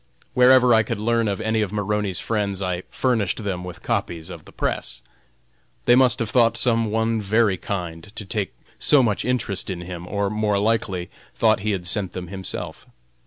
Wherever I could learn of any of Maroney's friends, I furnished them with copies of the Press. They must have thought some one very kind to take so much interest in him, or more likely thought he had sent them himself.